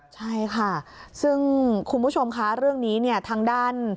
ใช่ค่ะซึ่งคุณผู้ชมคะเรื่องนี้เนี่ยทางด้าน